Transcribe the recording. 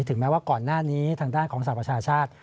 แม้ว่าก่อนหน้านี้ทางด้านของสหประชาชาติ